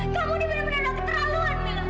kamu ini benar benar nakik terlaluan mila